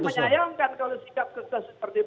pak kami menyayangkan kalau sikap kita seperti ini